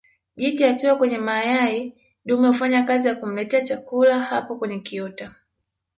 Jike akiwa kwenye mayai dume hufanya kazi ya kumletea chakula hapo kwenye kiota